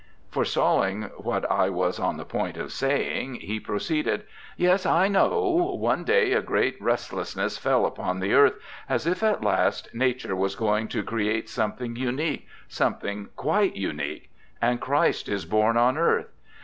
Forestalling what I was on the point of saying, he proceeded, 'Yes, I know ... one day a great restlessness fell upon the earth, as if, at last, Nature was going to create something unique, something quite unique, and Christ is born on earth.